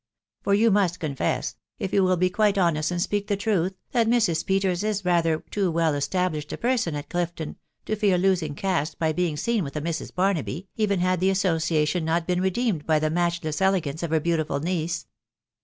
«.. for yom must goalees, if you will be quite honest and apeak the truth, that Mrs. Peters is rather too well established a person at Clifton, to fear losing caste by being seen with a Mrs. Barnaby, open had the association not been redeemed by thee matchless eleganoe^f her beautiful iriece."